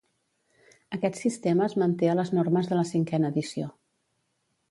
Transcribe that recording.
Aquest sistema es manté a les normes de la cinquena edició.